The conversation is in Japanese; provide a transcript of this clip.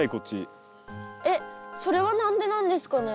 えっそれは何でなんですかね？